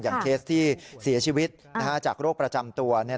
เคสที่เสียชีวิตจากโรคประจำตัว